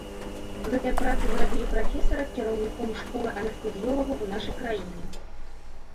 Гэтыя працы зрабілі прафесара кіраўніком школы анестэзіёлагаў ў нашай краіне.